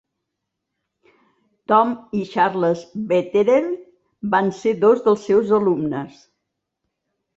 Tom i Charles Wetherell van ser dos dels seus alumnes.